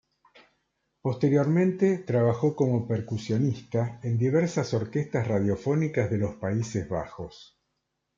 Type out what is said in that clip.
Posteriormente trabajó como percusionista en diversas orquestas radiofónicas de los Países Bajos.